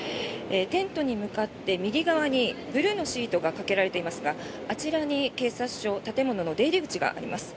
テントに向かって右側にブルーのシートがかけられていますがあちらに警察署の出入り口があります。